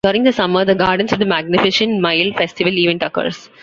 During the summer, the "Gardens of The Magnificent Mile" festival event occurs.